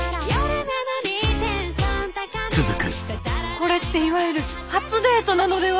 これっていわゆる「初デート」なのでは。